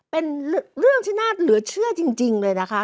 เป็นเรื่องที่น่าเหลือเชื่อจริงเลยนะคะ